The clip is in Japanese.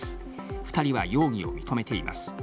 ２人は容疑を認めています。